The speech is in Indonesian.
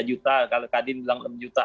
lima juta kalau kadin bilang enam juta